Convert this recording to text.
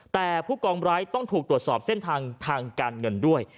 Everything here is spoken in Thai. แต่ผู้กองไร้ต้องถูกตรวจสอบเส้นทางทางการเงินด้วย